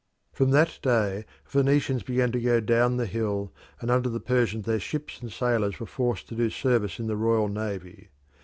From that day the Phoenicians began to go down the hill, and under the Persians their ships and sailors were forced to do service in the royal navy.